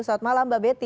selamat malam mbak betty